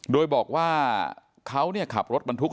โดยบอกว่าเขาขับรถบรรทุก